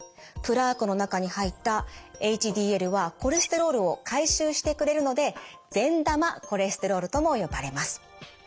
プラークの中に入ったＨＤＬはコレステロールを回収してくれるので善玉コレステロールとも呼ばれます。